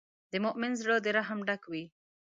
د مؤمن زړۀ د رحم ډک وي.